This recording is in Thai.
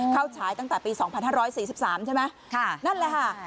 เข้าฉายตั้งแต่ปีสองพันห้าร้อยสี่สิบสามใช่ไหมค่ะนั่นแหละค่ะ